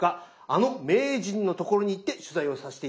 あの名人のところに行って取材をさせて頂きました。